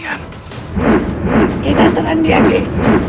kami pergi dari disini